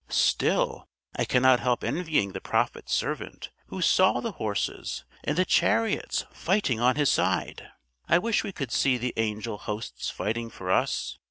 Still, I cannot help envying the Prophet's servant who saw the horses and the chariots fighting on his side. I wish we could see the angel hosts fighting for us.